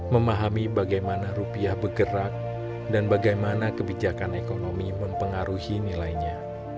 memahami bagaimana rupiah bergerak dan bagaimana kebijakan ekonomi mempengaruhi nilainya